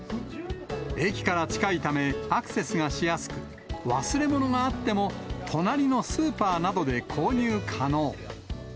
駅から近いため、アクセスがしやすく、忘れ物があっても、隣のスーパーなどで購入可能。